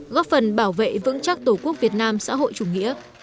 góp phần bảo vệ vững chắc tổ quốc việt nam xã hội chủ nghĩa